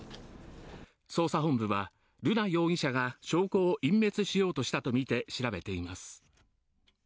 捜査本部で瑠奈容疑者が証拠を隠滅しようとしたとみて調べています。